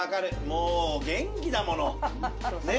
もう元気だもの。